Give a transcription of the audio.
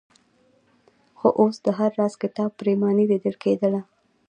خو اوس د هر راز کتاب پرېماني لیدل کېدله.